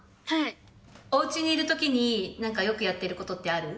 おうちにいるときになんかよくやってることってある？